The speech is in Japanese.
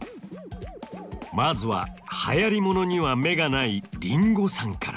まずは流行り物には目がないりんごさんから。